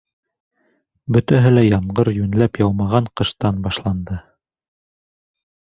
Бөтәһе лә ямғыр йүнләп яумаған ҡыштан башланды.